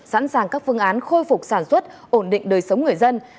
sẵn sàng các phương án khôi phục sản xuất ổn định đời sống người dân